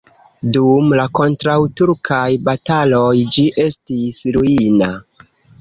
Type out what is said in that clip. Dum la kontraŭturkaj bataloj ĝi estis ruina.